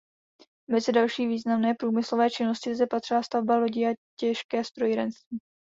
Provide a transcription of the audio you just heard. Mezi další významné průmyslové činnosti zde patřila stavba lodí a těžké strojírenství.